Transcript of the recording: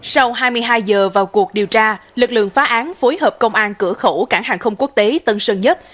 sau hai mươi hai giờ vào cuộc điều tra lực lượng phá án phối hợp công an cửa khẩu cảng hàng không quốc tế tân sơn nhất